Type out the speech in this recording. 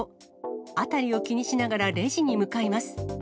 辺りを気にしながら、レジに向かいます。